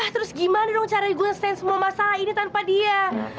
terus gimana dong cara gue nge snd semua masalah ini tanpa dia